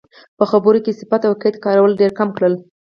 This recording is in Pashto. په خبرو کې صفت او قید کارول ډېرکم کړئ.